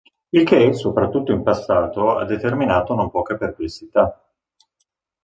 Il che, soprattutto in passato, ha determinato non poche perplessità.